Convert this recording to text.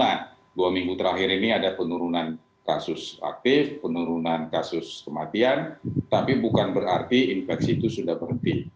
nah dua minggu terakhir ini ada penurunan kasus aktif penurunan kasus kematian tapi bukan berarti infeksi itu sudah berhenti